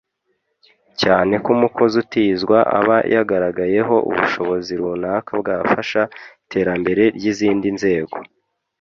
cyane ko umukozi utizwa aba yagaragayeho ubushobozi runaka bwafasha iterambere ry’izindi nzego